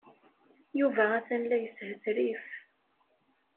Yuba atan la yeshetrif.